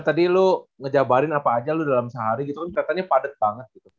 tadi lu ngejabarin apa aja lu dalam sehari gitu kan katanya padet banget gitu